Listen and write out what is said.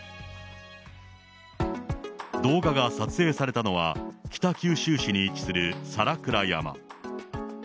動画が撮影されたのは、北九州市に位置する皿倉山。